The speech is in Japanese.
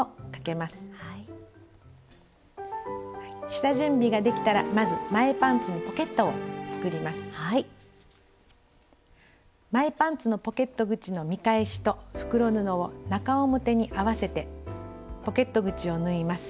下準備ができたらまず前パンツのポケット口の見返しと袋布を中表に合わせてポケット口を縫います。